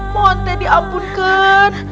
mohon teh diampunkan